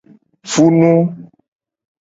Funu.